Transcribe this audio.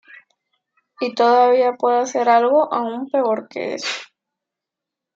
Y todavía puede hacer algo aún peor que eso.